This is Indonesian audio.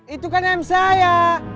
itu kan em saya